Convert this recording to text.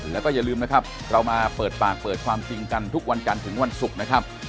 แล้วก็อย่าลืมนะครับเรามาเปิดปากเปิดความจริงกันทุกวันจันทร์ถึงวันศุกร์นะครับ